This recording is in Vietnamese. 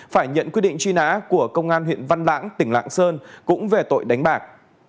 phải nhận quyết định truy nã của công an huyện văn lãng tỉnh lạng sơn cũng về tội đánh bạc